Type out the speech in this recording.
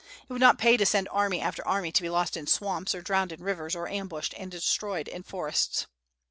It would not pay to send army after army to be lost in swamps or drowned in rivers or ambushed and destroyed in forests.